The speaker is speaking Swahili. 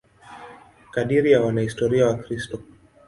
Kadiri ya wanahistoria Wakristo.